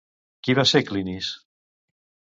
Qui va ser Clinis?